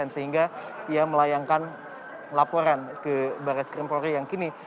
sehingga ia melayangkan laporan ke baris krim polri yang kini